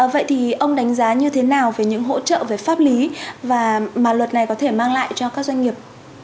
vậy thì ông đánh giá như thế nào về những hỗ trợ về pháp lý và luật này có thể mang lại cho các doanh nghiệp